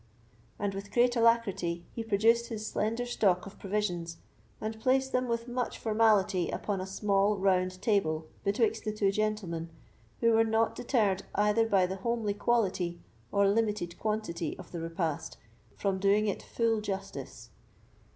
And with great alacrity he produced his slender stock of provisions, and placed them with much formality upon a small round table betwixt the two gentlemen, who were not deterred either by the homely quality or limited quantity of the repast from doing it full justice.